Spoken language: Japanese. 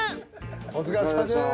お疲れさまです。